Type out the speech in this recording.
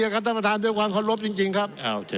ขอบคุณครับ